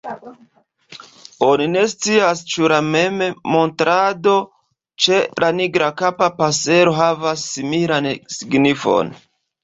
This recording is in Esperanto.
Oni ne scias ĉu la memmontrado ĉe la Nigrakapa pasero havas similan signifon.